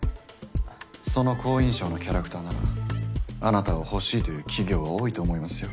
その好印象なキャラクターならあなたを欲しいという企業は多いと思いますよ。